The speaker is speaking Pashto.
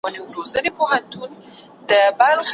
د کره کتني طریقه له احساساتي ليکني سمه وي.